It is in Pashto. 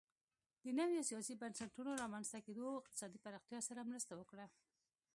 د نویو سیاسي بنسټونو رامنځته کېدو اقتصادي پراختیا سره مرسته وکړه